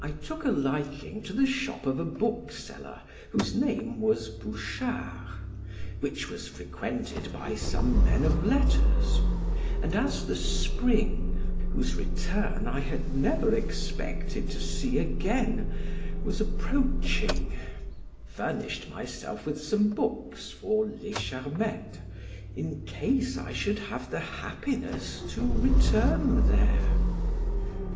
I took a liking to the shop of a bookseller, whose name was Bouchard, which was frequented by some men of letters, and as the spring (whose return I had never expected to see again) was approaching, furnished myself with some books for Charmettes, in case I should have the happiness to return there.